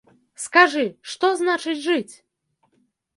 Скажы, што значыць жыць?